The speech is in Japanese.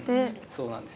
そうなんです。